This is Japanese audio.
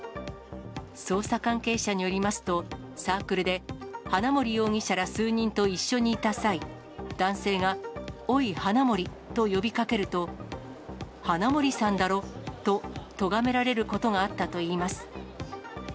捜査関係者によりますと、サークルで、花森容疑者ら数人と一緒にいた際、男性が、おい、花森と呼びかけると、花森さんだろと、とがめられることがあったといいます。